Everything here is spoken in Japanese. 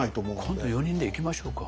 今度４人で行きましょうか。